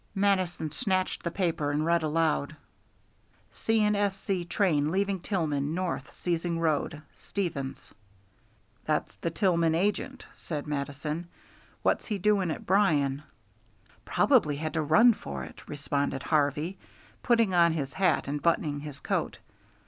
Mattison snatched the paper and read aloud, C. & S.C. train leaving Tillman north seizing road. STEVENS. "That's the Tillman agent," said Mattison. "What's he doing at Byron?" "Probably had to run for it," responded Harvey, putting on his hat and buttoning his coat.